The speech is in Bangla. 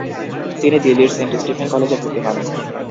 তিনি দিল্লির সেন্ট স্টিফেন কলেজে ভর্তি হন।